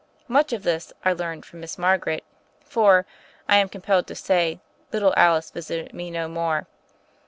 Much of this, I learned from Miss Margaret; for, I am compelled to say, little Alice visited me no more.